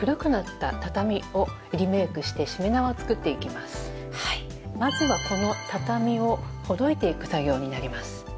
まずはこの畳をほどいていく作業になります。